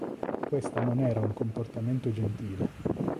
Questa non era un comportamento gentile.